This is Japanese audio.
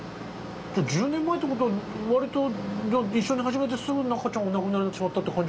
じゃあ１０年前っていうコトは割と一緒に始めてすぐに中ちゃんはお亡くなりになってしまったっていう感じ？